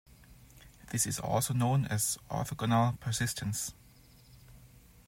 This is also known as orthogonal persistence.